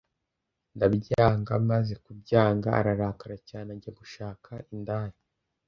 ndabyanga, maze kubyanga ararakara cyane ajya gushaka indaya